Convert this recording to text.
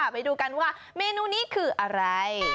ไปดูกันว่าเมนูนี้คืออะไร